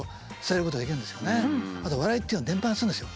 あと笑いっていうのは伝ぱするんですよ。